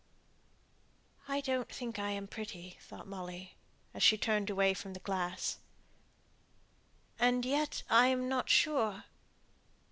"I don't think I am pretty," thought Molly, as she turned away from the glass; "and yet I'm not sure."